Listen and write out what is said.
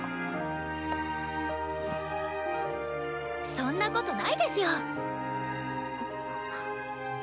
そんなことないですよ。